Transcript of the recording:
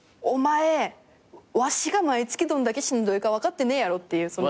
お前わしが毎月どんだけしんどいか分かってねえやろっていう。